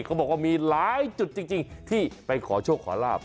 เขาบอกว่ามีหลายจุดจริงที่ไปขอโชคขอลาบ